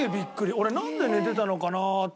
俺なんで寝てたのかな？って